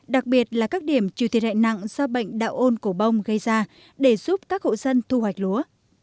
đặc biệt là các điểm trừ thiệt hại nặng do bệnh đạo ôn cổ bông gây ra để giúp các hộ dân thu hoạch lúa